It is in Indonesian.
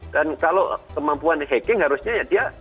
dan kalau kemampuan hacking harusnya ya dia